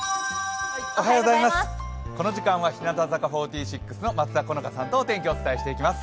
この時間は日向坂４６の松田好花さんと天気をお伝えしていきます。